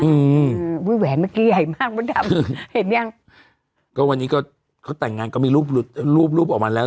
อืมอุ้ยแหวนเมื่อกี้ใหญ่มากมดดำเห็นยังก็วันนี้ก็เขาแต่งงานก็มีรูปรูปรูปออกมาแล้ว